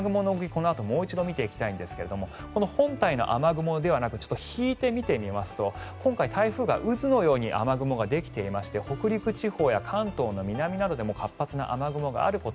そして、雨雲ですがこの本体の雨雲ではなく引いて見てみますと今回、台風が渦のように雨雲ができていまして北陸地方や関東の南でも活発な雨雲があること。